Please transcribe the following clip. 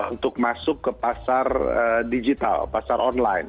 untuk masuk ke pasar digital pasar online